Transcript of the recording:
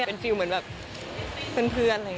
เป็นฟิลเหมือนแบบเพื่อนอะไรอย่างนี้